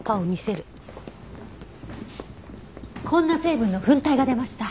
こんな成分の粉体が出ました。